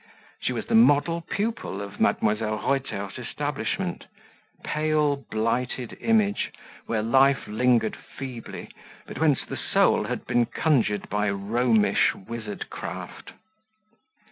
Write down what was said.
She was the model pupil of Mdlle. Reuter's establishment; pale, blighted image, where life lingered feebly, but whence the soul had been conjured by Romish wizard craft!